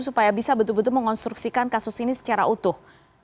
supaya bisa betul betul mengonstruksikan kasus ini secara utuh